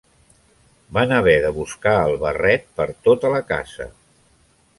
Van haver de buscar el barret per tota la casa.